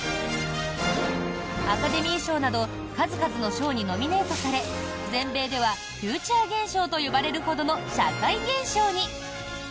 アカデミー賞など数々の賞にノミネートされ全米ではフューチャー現象と呼ばれるほどの社会現象に。